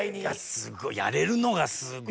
すごいやれるのがすごい。